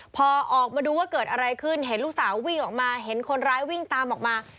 พอออกมาดูว่าเกิดอะไรขึ้นเห็นลูกสาววิ่งออกมาเห็นคนร้ายวิ่งตามออกมา